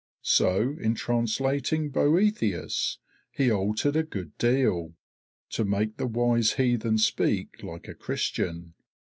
So in translating Boethius, he altered a good deal, to make the wise heathen speak like a Christian.